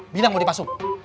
bilang mau dipasuk